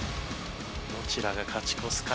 どちらが勝ち越すか？